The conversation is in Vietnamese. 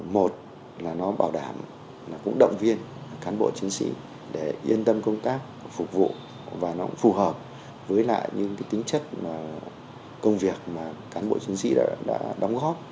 một là nó bảo đảm cũng động viên cán bộ chính sĩ để yên tâm công tác phục vụ và nó cũng phù hợp với những tính chất công việc mà cán bộ chính sĩ đã đóng góp